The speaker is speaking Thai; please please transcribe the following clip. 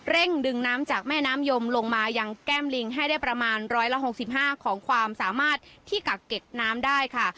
ดึงน้ำจากแม่น้ำยมลงมายังแก้มลิงให้ได้ประมาณ๑๖๕ของความสามารถที่กักเก็บน้ำได้ค่ะ